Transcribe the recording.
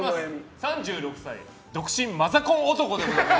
３６歳、独身マザコン男でございます！